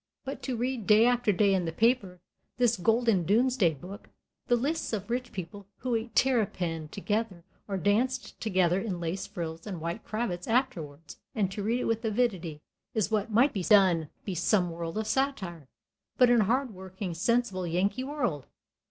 But to read day after day in the paper, this golden domesday book, the lists of rich people who ate terrapin together, or danced together in lace frills and white cravats afterwards, and to read it with avidity, is what might be done in some world of satire. But in a hard working, sensible, Yankee world!